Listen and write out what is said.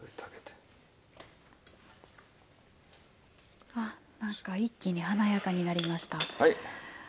わあなんか一気に華やかになりました。